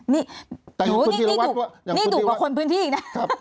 นี่ดุกว่าคนพื้นที่อีกนะ